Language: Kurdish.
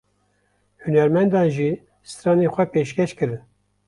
Hunermendan jî stranên xwe pêşkêş kirin.